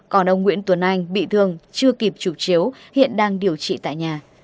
còn ông nguyễn tuấn anh bị thương chưa kịp chụp chiếu hiện đang điều trị tại nhà